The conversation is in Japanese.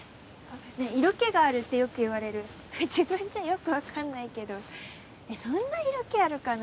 色気があるってよく言われる自分じゃよく分かんないけどえっそんな色気あるかな？